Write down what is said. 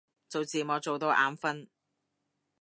做字幕做到眼憤